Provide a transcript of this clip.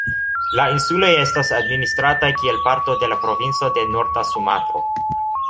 La insuloj estas administrataj kiel parto de la provinco de Norda Sumatro.